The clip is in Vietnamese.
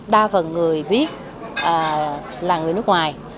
đa phần người viết là người nước ngoài